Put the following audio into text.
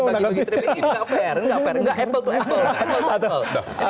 ini nggak fair nggak fair nggak apple to apple